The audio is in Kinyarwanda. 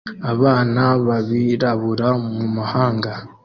abana b'abirabura mu mahanga